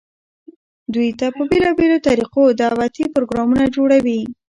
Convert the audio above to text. دوي ته په بيلابيلو طريقودعوتي پروګرامونه جوړووي،